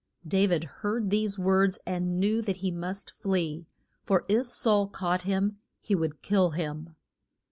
Da vid heard these words and knew that he must flee, for if Saul caught him he would kill him.